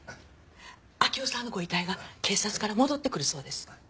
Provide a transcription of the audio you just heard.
明生さんのご遺体が警察から戻ってくるそうです。